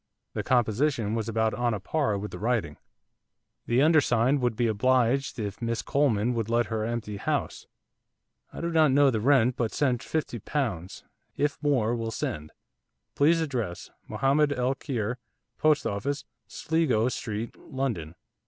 The composition was about on a par with the writing. 'The undersigned would be oblidged if Miss Coleman would let her empty house. I do not know the rent but send fifty pounds. If more will send. Please address, Mohamed el Kheir, Post Office, Sligo Street, London.